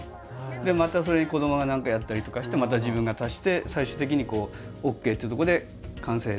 でまたそれに子どもが何かやったりとかしてまた自分が足して最終的にＯＫっていうとこで完成。